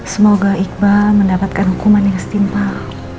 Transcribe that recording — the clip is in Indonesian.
semoga iqbal mendapatkan hukuman yang setimpal